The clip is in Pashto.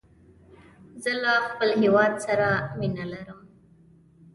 زه له خپل هېواد سره مینه لرم